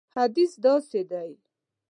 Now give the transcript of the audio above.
حدیث داسې دی.